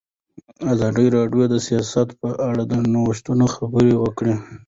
ازادي راډیو د سیاست په اړه د نوښتونو خبر ورکړی.